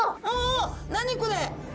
あ何これ！？